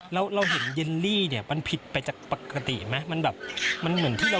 ตามนั้นค่ะตามที่นุ้งโพสต์ก็คือมีดารามายื่นให้ค่ะ